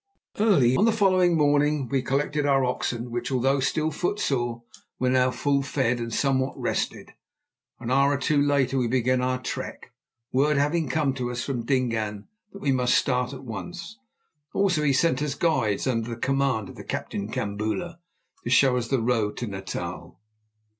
Early on the following morning we collected our oxen, which, although still footsore, were now full fed and somewhat rested. An hour or two later began our trek, word having come to us from Dingaan that we must start at once. Also he sent us guides, under the command of the captain Kambula, to show us the road to Natal.